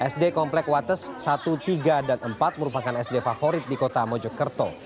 sd komplek wates satu tiga dan empat merupakan sd favorit di kota mojokerto